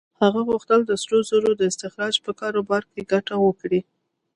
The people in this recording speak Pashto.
هغه غوښتل د سرو زرو د استخراج په کاروبار کې ګټه وکړي.